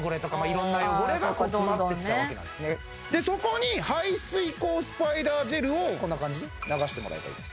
そこに排水口スパイダージェルをこんな感じに流してもらえばいいです